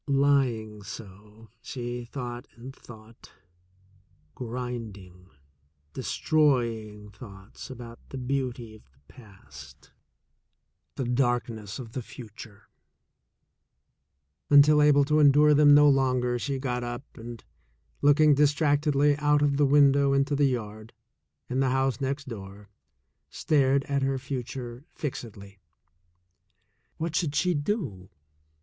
Lying so, she thought and thought — grinding, destroy ing thoughts about the beauty of the past, the darkness of the future — until able to endure them no longer she got up and, looking distractedly out of the window into the yard and the house next door, stared at her future fixedly. What should she do?